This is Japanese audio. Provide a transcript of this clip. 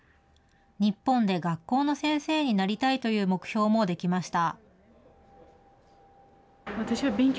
日本で学校の先生になりたいという目標も出来ました。